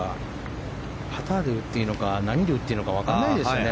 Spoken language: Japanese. パターで打っていいのか何で打っていいのか分からないですよね